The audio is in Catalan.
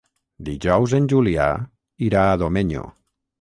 Dijous en Julià irà a Domenyo.